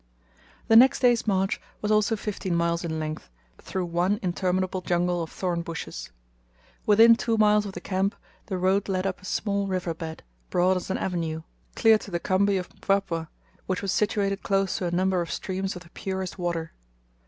The next day's march was also fifteen miles in length, through one interminable jungle of thorn bushes. Within two miles of the camp, the road led up a small river bed, broad as an avenue, clear to the khambi of Mpwapwa; which was situated close to a number of streams of the purest water.